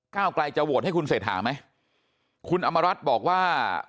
ก้าวกลายจะโหวตให้คุณเสร็จหาไหมคุณอำมารัฐบอกว่า